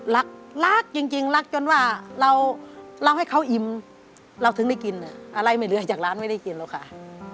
รักรักจริงรักจนว่าเราให้เขาอิ่มเราถึงได้กินอะไรไม่เหลือจากร้านไม่ได้กินหรอกค่ะ